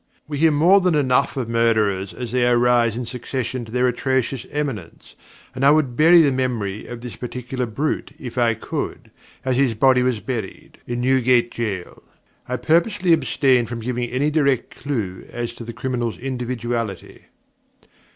We hear more than enough of Murderers as they rise in succession to their atrocious eminence, and I would bury the memory of this particular brute, if I could, as his body was buried, in Newgate Jail. I purposely abstain from giving any direct clue to the criminal's individuality.